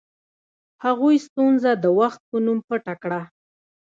هغوی ستونزه د وخت په نوم پټه کړه.